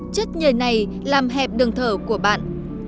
chất nhầy này làm hẹp đường thở của bạn